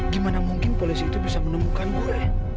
gimana mungkin polisi itu bisa menemukan gue